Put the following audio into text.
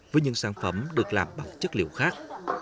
với những sản phẩm được làm bằng chất liệu khác